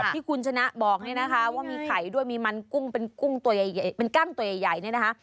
ที่คุณชนะบอกว่ามีไข่ด้วยมีมันกุ้งเป็นกล้างตัวใหญ่